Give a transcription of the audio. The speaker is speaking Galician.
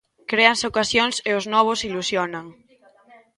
Créanse ocasións e os novos ilusionan.